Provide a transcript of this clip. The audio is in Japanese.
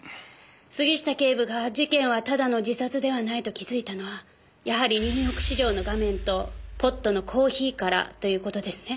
杉下警部が事件はただの自殺ではないと気づいたのはやはりニューヨーク市場の画面とポットのコーヒーからという事ですね？